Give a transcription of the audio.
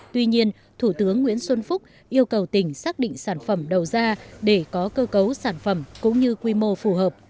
tuy nhiên thủ tướng nguyễn xuân phúc yêu cầu tỉnh xác định sản phẩm đầu ra để có cơ cấu sản phẩm cũng như quy mô phù hợp